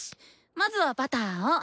まずはバターを。